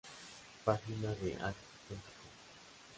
Página en acb.com